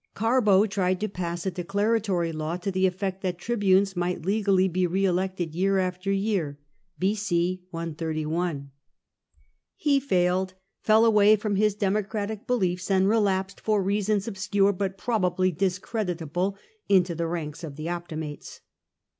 Oarbo tried to pass a declaratory law, to the effect that tribunes might legally be re elected year after year [ b . c . 131]. He failed, fell away from his Democratic beliefs, and relapsed, for reasons obscure but probably discreditable, into the ranks of the Optimates.